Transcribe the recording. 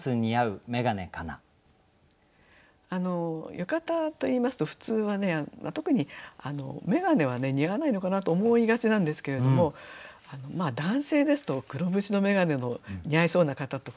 浴衣といいますと普通はね特に眼鏡はね似合わないのかなと思いがちなんですけれども男性ですと黒縁の眼鏡の似合いそうな方とかね